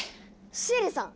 シエリさん！